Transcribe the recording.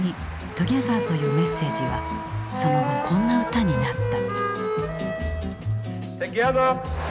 「Ｔｏｇｅｔｈｅｒ」というメッセージはその後こんな歌になった。